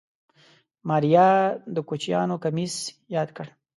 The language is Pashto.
ماريا د کوچيانو کميس ياد کړ.